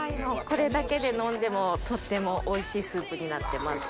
これだけで飲んでもとってもおいしいスープになってます。